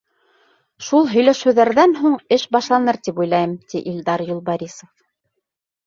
Шул һөйләшеүҙәрҙән һуң эш башланыр тип уйлайым, — ти Илдар Юлбарисов.